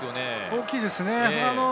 大きいですね。